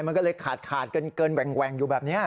มันก็เลยขาดเกินแหว่งอยู่แบบนี้